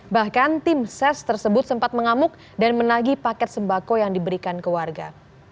bahkan tim ses tersebut sempat mengamuk dan menagi paket sembako yang diberikan ke warga